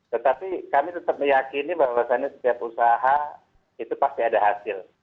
tetapi kami tetap meyakini bahwa setiap usaha itu pasti ada hasil